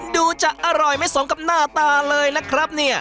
ดูจะอร่อยไม่สมกับหน้าตาเลยนะครับเนี่ย